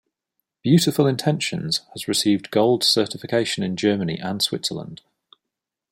"Beautiful Intentions" has received Gold certification in Germany and Switzerland.